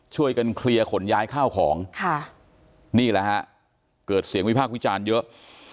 ช่วยกันเคลียร์ขนย้ายข้าวของค่ะนี่แหละฮะเกิดเสียงวิพากษ์วิจารณ์เยอะ